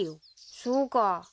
そうか。